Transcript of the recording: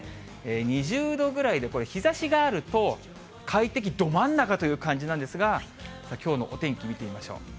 ２０度ぐらいでこれ、日ざしがあると快適ど真ん中という感じなんですが、きょうのお天気見てみましょう。